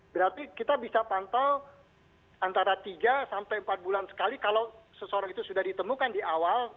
berarti kita bisa pantau antara tiga sampai empat bulan sekali kalau seseorang itu sudah ditemukan di awal